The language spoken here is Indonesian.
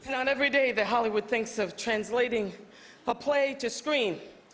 bukan setiap hari hollywood berpikir tentang menerima pilihan untuk menjerit